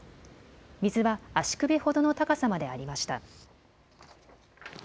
水は足首ほどの高さまでありました。